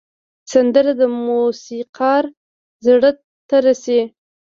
سندره د موسیقار زړه ته رسي